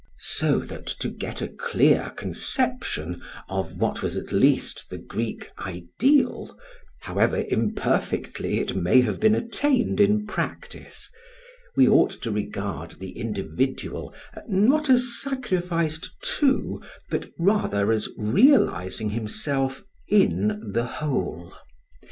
So that, to get a clear conception of what was at least the Greek ideal, however imperfectly it may have been attained in practice, we ought to regard the individual not as sacrificed to, but rather as realising himself in the whole.